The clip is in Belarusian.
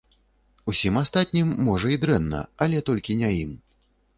Усім астатнім, можа, і дрэнна, але толькі не ім.